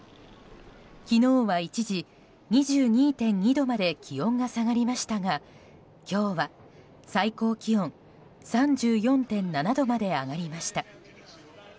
昨日は一時、２２．２度まで気温が下がりましたが今日は最高気温３４．７度まで上がりました。